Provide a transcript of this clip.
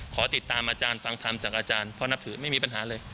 ขอติดตามอาจารย์ฟังธรรมจากอาจารย์เพราะนับถือไม่มีปัญหาเลย